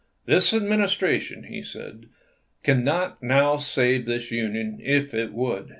" This Administration," he said, " cannot now save this Union if it would.